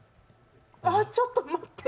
あっ、ちょっと待って！